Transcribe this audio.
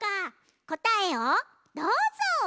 こたえをどうぞ！